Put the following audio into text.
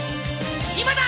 今だ！